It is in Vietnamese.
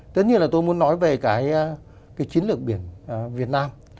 tất nhiên là tôi muốn nói về cái chiến lược biển việt nam